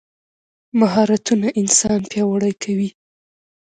مهارتونه انسان پیاوړی کوي.